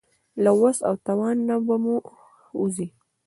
له وس او توان نه به مو هم ووځي.